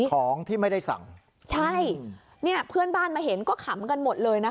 ของที่ไม่ได้สั่งใช่เนี่ยเพื่อนบ้านมาเห็นก็ขำกันหมดเลยนะคะ